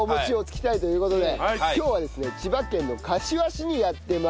今日はですね千葉県の柏市にやって参りました。